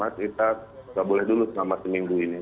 kita tidak boleh dulu selama seminggu ini